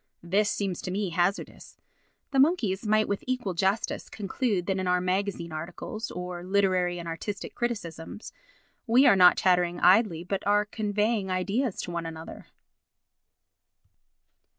This seems to me hazardous. The monkeys might with equal justice conclude that in our magazine articles, or literary and artistic criticisms, we are not chattering idly but are conveying ideas to one another.